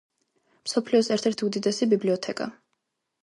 მსოფლიოს ერთ-ერთი უდიდესი ბიბლიოთეკა.